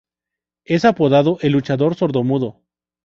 Es apodado "el luchador sordomudo".